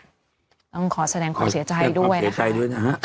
ต้องขอแสดงขอบเสียใจด้วยนะครับ